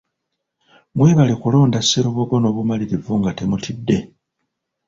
Mwebale kulonda Sserubogo n’obumalirivu nga temutidde.